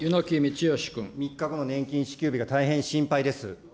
３日後の年金支給日が大変心配です。